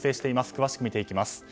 詳しく見ていきます。